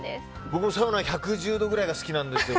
僕もサウナ１１０度くらいが好きなんですよ。